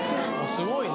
すごいね。